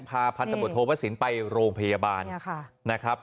พาพันธบทโภพศิลป์ไปโรงพยาบาลนะครับ